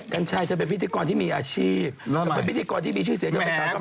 กัณฆ์ไทยไปมาเดี๋ยว